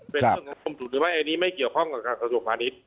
เป็นเรื่องของความสูงสุดหรือไม่อันนี้ไม่เกี่ยวข้องกับสถุประณีต